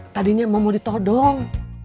tadinya emak mau ditodong